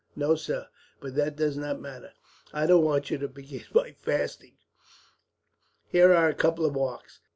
"No, sir, but that does not matter." "I don't want you to begin by fasting. Here are a couple of marks.